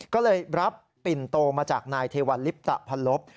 ก็เลยรับปิ่นโตมาจากนายเทวัลลิปตะพันลบ